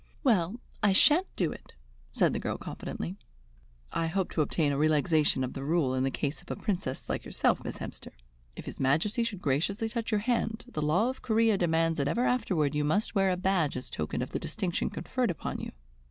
"Well, I shan't do it," said the girl confidently. "I hope to obtain a relaxation of the rule in the case of a Princess like yourself, Miss Hemster. If his Majesty should graciously touch your hand, the law of Corea demands that ever afterward you must wear a badge as token of the distinction conferred upon you."